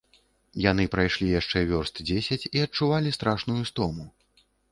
Яны прайшлі яшчэ вёрст дзесяць і адчувалі страшную стому.